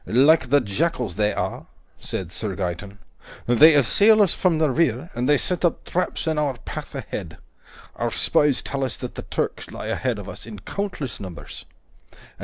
"Like the jackals they are," said Sir Gaeton. "They assail us from the rear, and they set up traps in our path ahead. Our spies tell us that the Turks lie ahead of us in countless numbers.